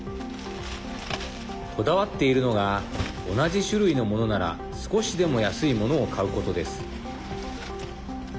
こだわっているのが同じ種類のものなら少しでも安いものを買うことです。